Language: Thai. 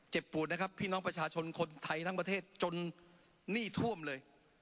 ปูดนะครับพี่น้องประชาชนคนไทยทั้งประเทศจนหนี้ท่วมเลย